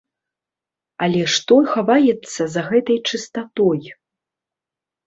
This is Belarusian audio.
Але што хаваецца за гэтай чыстатой?